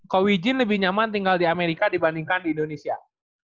kowi jin lebih nyaman tinggal di amerika dibandingkan di indonesia